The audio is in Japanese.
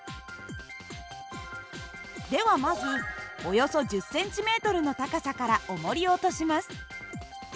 ではまずおよそ１０ｃｍの高さからおもりを落とします。